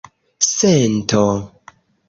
sento